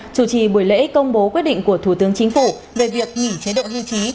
chủ trì buổi lễ công bố quyết định của thủ tướng chính phủ về việc nghỉ chế độ hưu trí